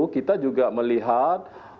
kita juga melihat